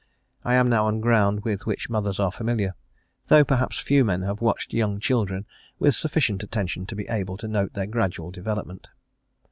I am now on ground with which mothers are familiar, though perhaps few men have watched young children with sufficient attention to be able to note their gradual development.